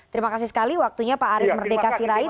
terima kasih sekali waktunya pak aris merdeka sirait